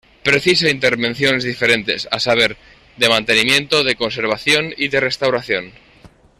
Precisa intervenciones diferentes, a saber: de mantenimiento, de conservación y de restauración.